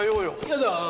やだ。